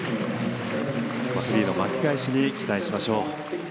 フリーの巻き返しに期待しましょう。